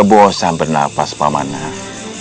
kebosan bernafas pamanah